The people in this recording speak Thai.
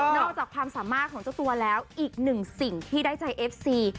อกจากความสามารถของเจ้าตัวแล้วอีกหนึ่งสิ่งที่ได้ใจเอฟซี